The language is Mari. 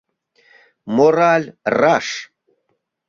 Мораль раш.